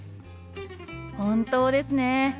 本当ですね。